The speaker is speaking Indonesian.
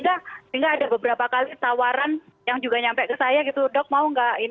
sehingga ada beberapa kali tawaran yang juga nyampe ke saya gitu dok mau nggak ini